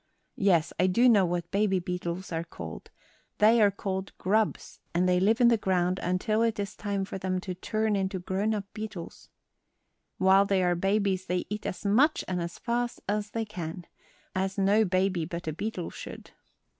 Yes, I do know what baby beetles are called. They are called grubs, and they live in the ground until it is time for them to turn into grown up beetles. While they are babies they eat as much and as fast as they can, as no baby but a beetle should.